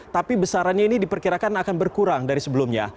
tapi besarannya ini diperkirakan akan berkurang dari sebelumnya